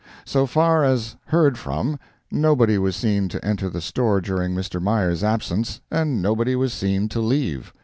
So far as heard from, nobody was seen to enter the store during Mr. Meyer's absence, and nobody was seen to leave.